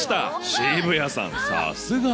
渋谷さん、さすが。